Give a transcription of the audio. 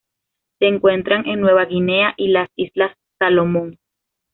Se encuentran en Nueva Guinea y las Islas Salomón.